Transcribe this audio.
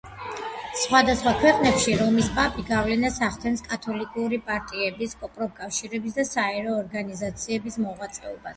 სხვადასხვა ქვეყნებში რომის პაპი გავლენას ახდენს კათოლიკური პარტიების, პროფკავშირების და საერო ორგანიზაციების მოღვაწეობაზე.